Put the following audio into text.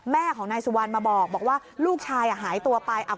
แม่ของนายสุวรรณมาบอกว่าลูกชายอ่ะหายตัวไป